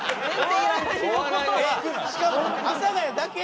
えっしかも阿佐ヶ谷だけ？